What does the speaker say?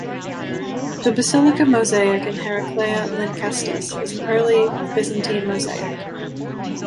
The Basilica Mosaic in Heraklea Lynkestis is an early Byzantine mosaic.